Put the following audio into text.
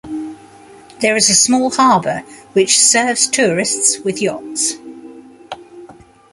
There is a small harbour which serves tourists with yachts.